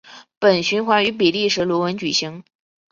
本循环于比利时鲁汶举行。